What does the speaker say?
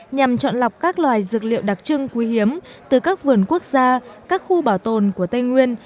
nhằm chọn lọc các loài dược liệu đặc trưng quý hiếm từ các vườn quốc gia các khu bảo tồn của tây nguyên